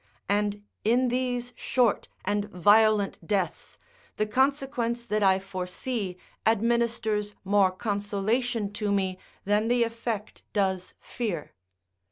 And in these short and violent deaths, the consequence that I foresee administers more consolation to me than the effect does fear.